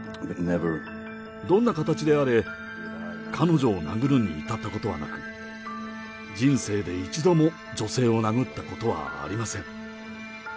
どんな形であれ、彼女を殴るに至ったことはなく、人生で一度も女性を殴ったことはありません。